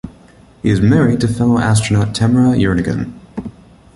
He is married to fellow astronaut Tamara Jernigan.